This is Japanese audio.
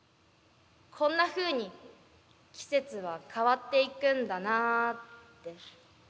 こんなふうに季節は変わっていくんだなって。